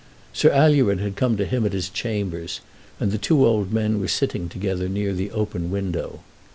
Sir Alured had come to him at his chambers, and the two old men were sitting together near the open window.